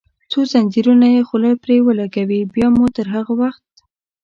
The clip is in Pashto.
څو زنځیرونه یې خوله پرې ولګوي، بیا مو تر هغه وخت.